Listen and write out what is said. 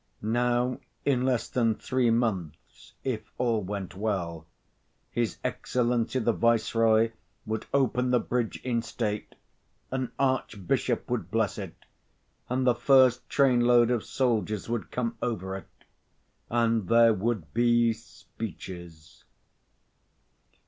Now, in less than three months, if all went well, his Excellency the Viceroy would open the bridge in state, an archbishop would bless it, and the first trainload of soldiers would come over it, and there would be speeches.